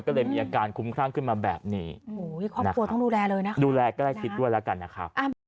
ก็เลยมีอาการคุ้มข้างขึ้นมาแบบนี้ดูแลก็ได้คิดด้วยแล้วกันนะครับ